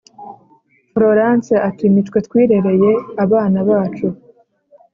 florence ati ni twe twirereye abana bacu